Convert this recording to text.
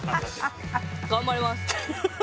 頑張ります